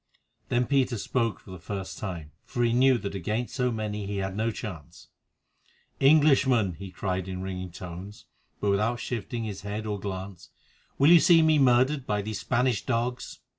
Then Peter spoke for the first time, for he knew that against so many he had no chance. "Englishmen," he cried in ringing tones, but without shifting his head or glance, "will you see me murdered by these Spanish dogs?"